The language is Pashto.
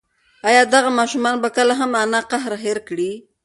ایا دغه ماشوم به کله هم د انا قهر هېر کړي؟